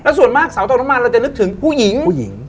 แล้วส่วนมากสาวตกน้ำมันเราจะนึกถึงผู้หญิง